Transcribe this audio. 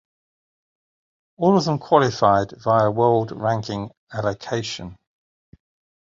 All of them qualified via World Ranking allocation.